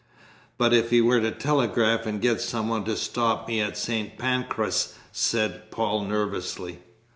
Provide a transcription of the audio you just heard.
"But if he were to telegraph and get some one to stop me at St. Pancras?" said Paul nervously.